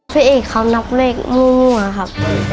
พี่เอฟล์นับเลขจริงครับ